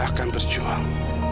aku akan berjuang